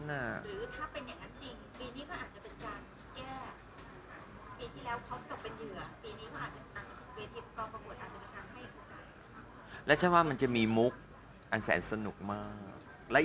หรือถ้าเป็นอย่างนั้นจริงปีนี้ก็อาจจะเป็นการแก้